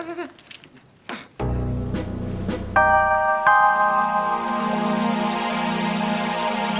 terima kasih mas